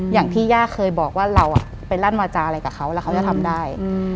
อย่างที่ย่าเคยบอกว่าเราไปลั่นวาจาอะไรกับเขาแล้วเขาจะทำได้